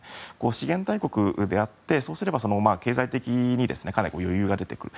資源大国であってそうすれば経済的にかなり余裕が出てくる。